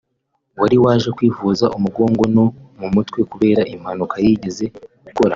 wari waje kwivuza umugongo no mu mutwe kubera impanuka yigeze gukora